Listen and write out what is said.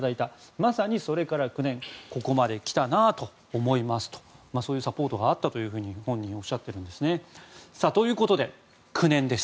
まさにそれから９年ここまで来たなあと思いますとそういうサポートがあったと本人はおっしゃってるんですね。ということで、９年です。